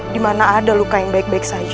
di mana ada luka yang baik baik saja